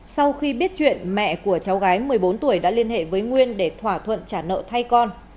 sau khi biết chuyện mẹ của cháu gái một mươi bốn tuổi đã liên hệ với nguyên để thỏa thuận trả nợ thay con